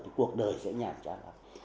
thì cuộc đời sẽ nhảm chán lắm